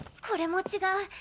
これも違う。